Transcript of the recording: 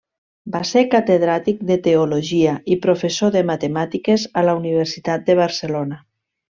Va ser catedràtic de teologia i professor de matemàtiques a la Universitat de Barcelona.